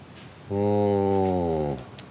うん。